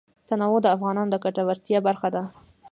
تنوع د افغانانو د ګټورتیا برخه ده.